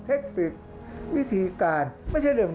ภาคอีสานแห้งแรง